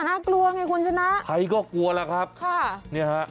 น่ากลัวไงคุณชนะใครก็กลัวแล้วครับค่ะเนี่ยฮะ